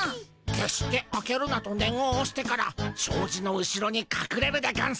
「けっして開けるな」とねんをおしてからしょうじの後ろにかくれるでゴンス。